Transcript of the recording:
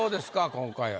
今回は。